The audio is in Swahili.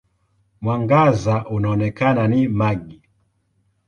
Mwangaza unaoonekana ni mag.